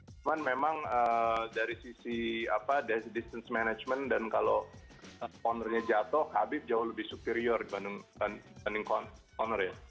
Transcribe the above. cuman memang dari sisi distance management dan kalau conornya jatuh khabib jauh lebih superior dibanding conor ya